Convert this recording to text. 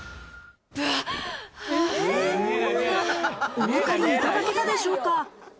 おわかりいただけたでしょうか？